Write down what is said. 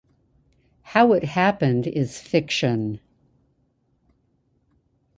How it happened is fiction.